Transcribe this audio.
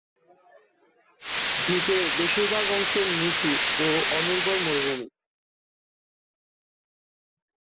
দ্বীপের বেশিরভাগ অংশ নিচু ও অনুর্বর মরুভূমি।